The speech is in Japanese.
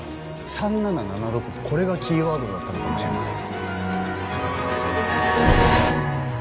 ３７７６これがキーワードだったのかもしれません。